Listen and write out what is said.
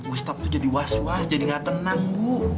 ustadz tuh jadi was was jadi gak tenang bu